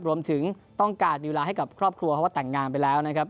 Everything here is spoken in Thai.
รวมถึงต้องการมีเวลาให้กับครอบครัวเพราะว่าแต่งงานไปแล้วนะครับ